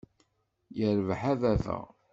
Yirbeḥ a baba!